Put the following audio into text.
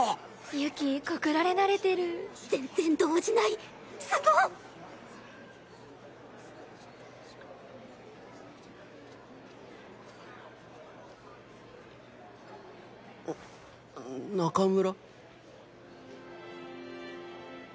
雪告られ慣れてる全然動じないス中村？